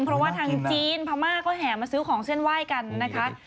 เพราะว่าทางจีนพม่าก็แห่มาซื้อของเส้นไหว้กันนะคะ